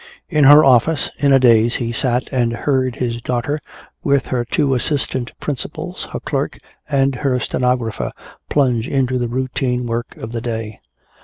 In her office, in a daze, he sat and heard his daughter with her two assistant principals, her clerk and her stenographer, plunge into the routine work of the day.